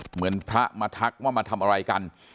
เหมือนพระมาทักว่ามาทำอะไรกัน